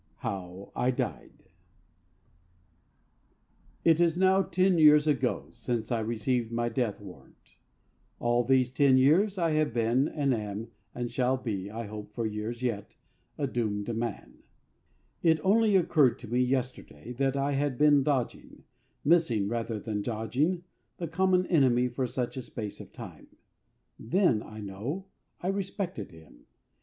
HOW I DIED It is now ten years ago since I received my death warrant. All these ten years I have been, and I am, and shall be, I hope, for years yet, a Doomed Man. It only occurred to me yesterday that I had been dodging missing rather than dodging the common enemy for such a space of time. Then, I know, I respected him.